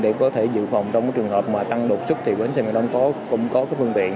để có thể dự phòng trong trường hợp mà tăng đột sức thì bến xe miền đông cũng có phương tiện